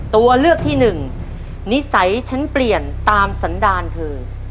ตัวเลือกที่หนึ่งนิสัยฉันเปลี่ยนตามสันดาลคือ